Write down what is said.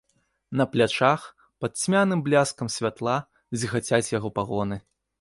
На плячах, пад цьмяным бляскам святла, зіхацяць яго пагоны.